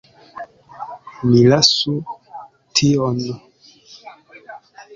Ni lasu tion.